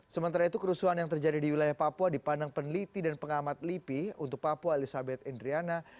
sementara itu kerusuhan yang terjadi di wilayah papua dipandang peneliti dan pengamat lipi untuk papua elizabeth indriana